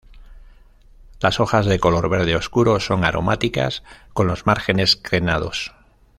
Las hojas de color verde oscuro son aromáticas, con los márgenes crenados.